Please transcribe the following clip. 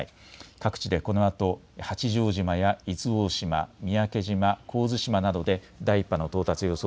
各地でこのあと八丈島や伊豆大島、三宅島、神津島などで第１波の到達予想